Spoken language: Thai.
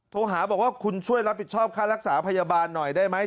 โทรหาบอกว่าคุณช่วยรับผิดชอบค่ารักษาพยาบาลหน่อยได้ไหม